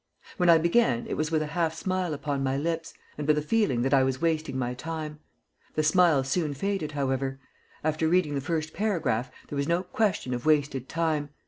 When I began it was with a half smile upon my lips, and with a feeling that I was wasting my time. The smile soon faded, however; after reading the first paragraph there was no question of wasted time.